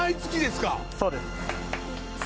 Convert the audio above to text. そうです。